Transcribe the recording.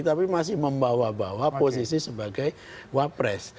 tapi masih membawa bawa posisi sebagai wapres